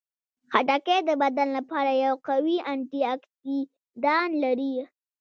خټکی د بدن لپاره یو قوي انټياکسیدان لري.